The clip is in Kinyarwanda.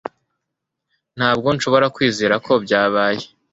Ntabwo nshobora kwizera ko byabaye